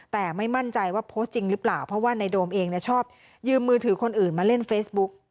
แต่ไม่มั่นใจว่าโพสต์จริงหรือเปล่าเพราะว่าในโดมเองชอบยืมมือถือคนอื่นมาเล่นเฟซบุ๊ก